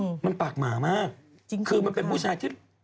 โอ๋มันปากหมามากคือมันเป็นผู้ชายที่